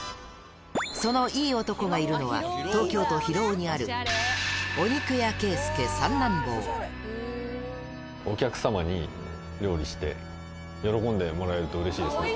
そのいい男がいるのは、東京都広尾にある、お客様に料理して喜んでもらえるとうれしいですね。